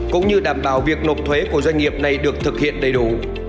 cũng như đảm bảo việc nộp thuế của doanh nghiệp này được thực hiện đầy đủ